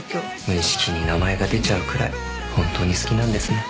無意識に名前が出ちゃうくらいホントに好きなんですね。